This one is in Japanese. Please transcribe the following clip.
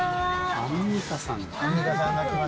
アンミカさんだ。